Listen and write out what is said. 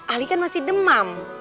ali kan masih demam